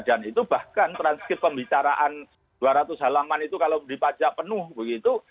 dan itu bahkan transkip pembicaraan dua ratus halaman itu kalau dipaca penuh begitu